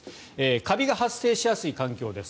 カビが発生しやすい環境です。